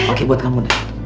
oke buat kamu deh